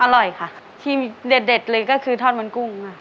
อร่อยค่ะที่เด็ดเลยก็คือทอดมันกุ้งค่ะ